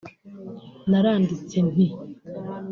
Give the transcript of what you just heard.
naranditse nti